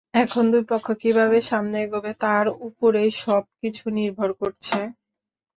এখন দুই পক্ষ কীভাবে সামনে এগোবে, তার ওপরেই সবকিছু নির্ভর করছে।